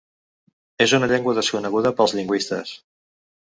És una llengua desconeguda pels lingüistes.